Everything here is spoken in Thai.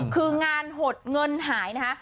คืองานหดเงินหายนะคะ